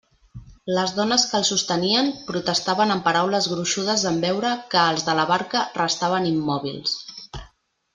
Les dones que el sostenien protestaven amb paraules gruixudes en veure que els de la barca restaven immòbils.